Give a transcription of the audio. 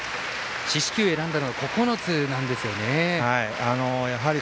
四死球を選んだのが９つなんですね。